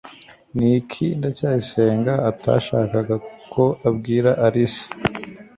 niki ndacyayisenga atashakaga ko ubwira alice